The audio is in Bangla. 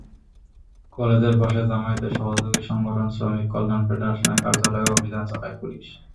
কলেজের পাশে জামায়াতের সহযোগী সংগঠন শ্রমিক কল্যাণ ফেডারেশনের কার্যালয়েও অভিযান চালায় পুলিশ।